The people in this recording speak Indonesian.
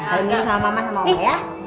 selalu bersama mama sama oma ya